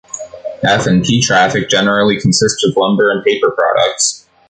F and P traffic generally consists of lumber and paper products.